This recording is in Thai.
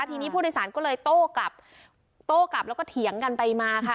ทีนี้ผู้โดยสารก็เลยโต้กลับโต้กลับแล้วก็เถียงกันไปมาค่ะ